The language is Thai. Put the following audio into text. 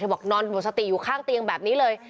บอกนอนหมดสติอยู่ข้างเตียงแบบนี้เลย